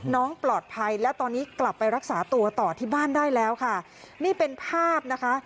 น้องปลอดภัยและตอนนี้กลับไปรักษาตัวต่อที่บ้านได้แล้วค่ะนี่เป็นภาพนะคะ